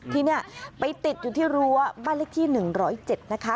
ที่นี่ไปติดอยู่ที่รั้วบ้านเลขที่๑๐๗นะคะ